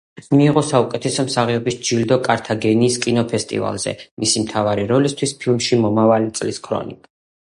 მიიღო საუკეთესო მსახიობის ჯილდო კართაგენის კინოფესტივალზე, მისი მთავარი როლისთვის ფილმში „მომავალი წლის ქრონიკა“.